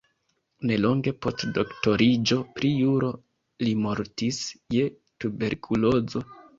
Nelonge post doktoriĝo pri juro li mortis je tuberkulozo.